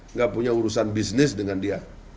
nggak punya urusan bisnis dengan dia